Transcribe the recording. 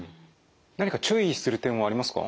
何か注意する点はありますか？